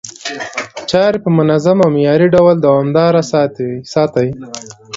چاري په منظم او معياري ډول دوامداره ساتي،